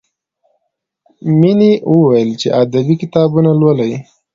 مینې وویل چې ادبي کتابونه لولي